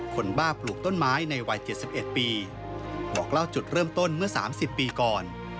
บ้าปลูกต้นไม้ในวัย๗๑ปีบอกเล่าจุดเริ่มต้นเมื่อ๓๐ปีก่อน